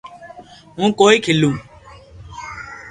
ھون ڪوئي کيلو